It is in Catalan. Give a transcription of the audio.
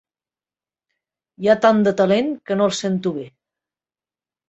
Hi ha tant de talent que no el sento bé.